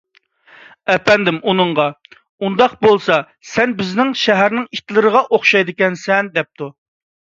ئەپەندىم ئۇنىڭغا: _ ئۇنداق بولسا ، سەن بىزنىڭ شەھەرنىڭ ئىتلىرىغا ئوخشايدىكەنسەن، _ دەپتۇ.